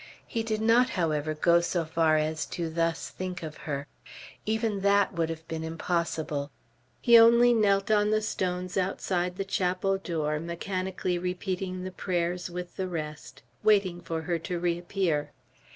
He did not, however, go so far as to thus think of her. Even that would have been impossible. He only knelt on the stones outside the chapel door, mechanically repeating the prayers with the rest, waiting for her to reappear.